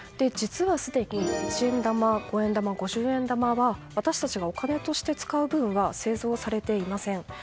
実はすでに一円玉、五円玉五十円玉は私たちがお金として使う分は製造されていません。